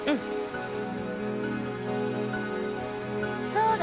そうだ。